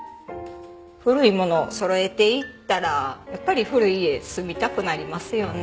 古い物をそろえていったらやっぱり古い家住みたくなりますよね。